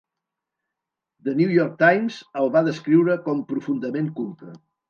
The New York Times el va descriure com profundament culte.